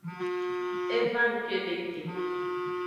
E va ngkeneke.